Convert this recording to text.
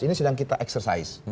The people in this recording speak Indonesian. ini sedang kita eksersais